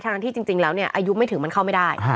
ทั้งที่จริงแล้วอายุไม่ถึงมันเข้าไม่ได้